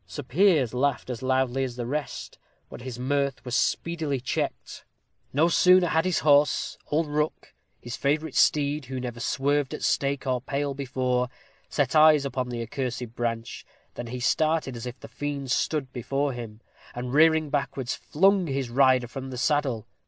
Sir Piers laughed as loudly as the rest, but his mirth was speedily checked. No sooner had his horse old Rook, his favorite steed, who never swerved at stake or pale before set eyes upon the accursed branch, than he started as if the fiend stood before him, and, rearing backwards, flung his rider from the saddle.